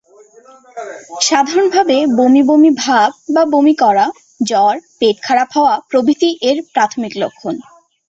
সাধারণভাবে বমি বমি ভাব বা বমি করা, জ্বর, পেট খারাপ হওয়া প্রভৃতি এর প্রাথমিক লক্ষণ।